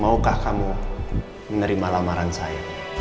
maukah kamu menerima lamaran saya